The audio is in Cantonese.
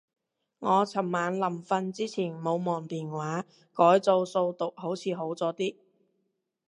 我尋晚臨瞓之前冇望電話，改做數獨好似好咗啲